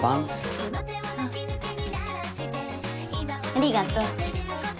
ありがとう。